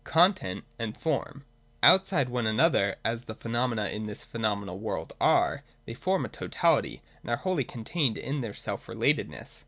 (6) Content and Form. 133.] Outside one another as the phenomena in this phenomenal world are, they form a totality, and are wholly contained in their self relatedness.